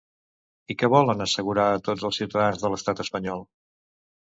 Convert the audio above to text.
I què volen assegurar a tots els ciutadans de l'estat espanyol?